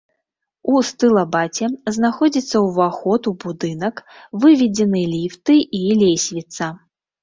У стылабаце знаходзіцца ўваход у будынак, выведзены ліфты і лесвіца.